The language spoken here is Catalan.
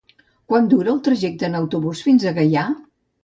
Quant dura el trajecte en autobús fins a Gaià?